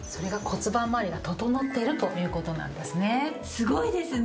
すごいですね。